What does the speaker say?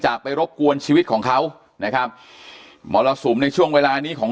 ไปรบกวนชีวิตของเขานะครับมรสุมในช่วงเวลานี้ของ